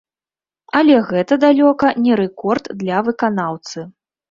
Але гэта далёка не рэкорд ля выканаўцы.